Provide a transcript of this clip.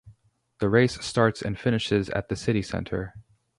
The race starts and finishes at the city centre.